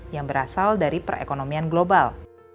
yang berasal dari perekonomian global